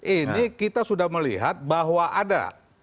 ini kita sudah melihat bahwa ada